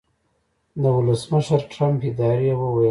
د ولسمشرټرمپ ادارې وویل